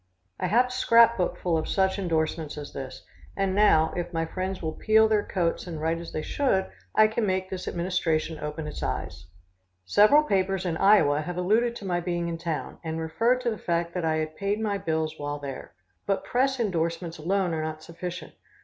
I have a scrap book full of such indorsements as this, and now, if my friends will peel their coats and write as they should, I can make this administration open its eyes. Several papers in Iowa have alluded to my being in town, and referred to the fact that I had paid my bills while there. But press indorsements alone are not sufficient.